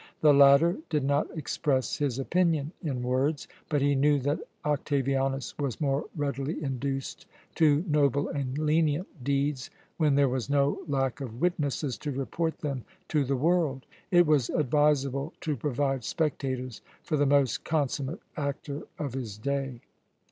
The latter did not express his opinion in words, but he knew that Octavianus was more readily induced to noble and lenient deeds when there was no lack of witnesses to report them to the world. It was advisable to provide spectators for the most consummate actor of his day.